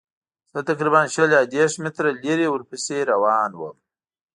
زه تقریباً شل یا دېرش متره لرې ورپسې روان وم.